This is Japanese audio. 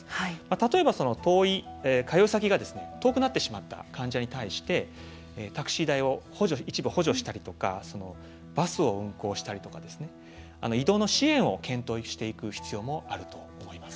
例えば通い先が遠くなってしまった患者に対してタクシー代を一部補助したりとかバスを運行したりとかですね移動の支援を検討していく必要もあると思います。